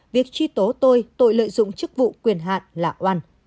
việc truy tố tôi tội lợi dụng chức vụ quyền hạn là oan